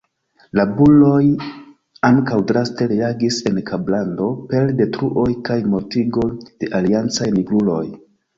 La buroj ankaŭ draste reagis en Kablando per detruoj kaj mortigoj de aliancaj nigruloj.